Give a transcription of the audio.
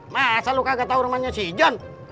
masa lo kagak tau rumahnya si john